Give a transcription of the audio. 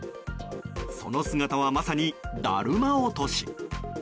その姿は、まさにだるま落とし。